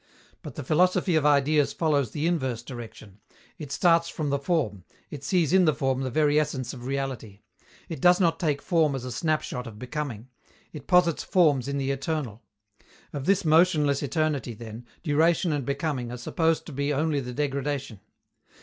But the philosophy of Ideas follows the inverse direction. It starts from the Form; it sees in the Form the very essence of reality. It does not take Form as a snapshot of becoming; it posits Forms in the eternal; of this motionless eternity, then, duration and becoming are supposed to be only the degradation.